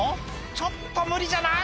ちょっと無理じゃない？